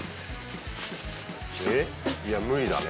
えっいや無理だね。